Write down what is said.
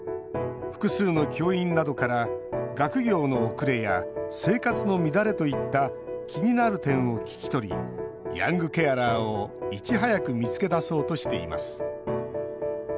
複数の教員などから学業の遅れや生活の乱れといった気になる点を聞き取りヤングケアラーをいち早く見つけ出そうとしています。